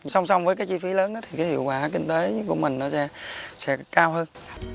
song song với chi phí lớn thì hiệu quả kinh tế của mình sẽ cao hơn